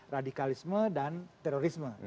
radikalisme dan terorisme